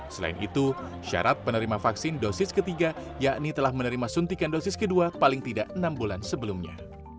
selain itu syarat penerima vaksin dosis ketiga yakni telah menerima suntikan dosis kedua paling tidak enam bulan sebelumnya